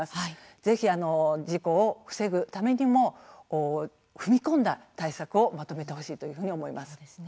ぜひ、事故を防ぐためにも踏み込んだ対策をまとめてほしいというふうに思います。